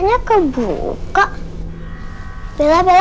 saya mau sampe latar